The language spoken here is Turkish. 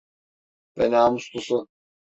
Ve namuslusu…